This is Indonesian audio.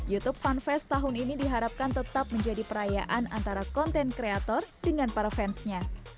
youtube fanfest tahun ini diharapkan tetap menjadi perayaan antara konten kreator dengan para fansnya